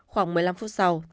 khoảng một mươi năm phút sau